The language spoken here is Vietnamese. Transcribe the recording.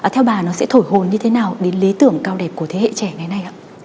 theo bà nó sẽ thổi hồn như thế nào đến lý tưởng cao đẹp của thế hệ trẻ ngày nay ạ